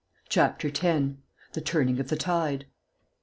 CHAPTER X. THE TURNING OF THE TIDE.